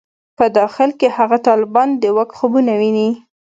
په داخل کې هغه طالبان د واک خوبونه ویني.